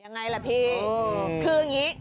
ยังไงล่ะพี่คืออย่างนี้